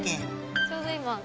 ちょうど今。